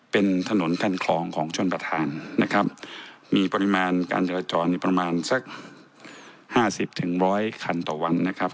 เป็นถนนคันคลองของชนประธานนะครับมีปริมาณการจรประมาณสัก๕๐๑๐๐คันต่อวันนะครับ